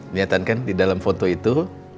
niatan kan di dalam foto itu